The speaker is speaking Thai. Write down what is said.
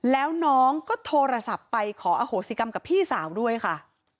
แล้วน้องก็โทรศัพท์ไปขออโหสิกรรมกับพี่สาวด้วยค่ะ